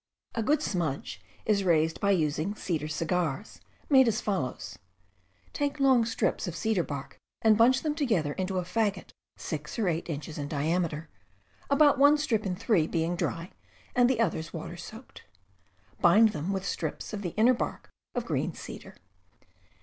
A good smudge is raised by using cedar "cigars," made as follows: Take long strips of cedar bark and g , bunch them together into a fagot six or eight inches in diameter, about one strip in three being dry and the others water soaked; bind them with strips of the inner bark of green cedar.